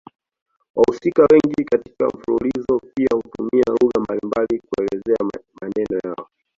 Wahusika wengine katika mfululizo pia hutumia lugha mbalimbali kuelezea maneno yao.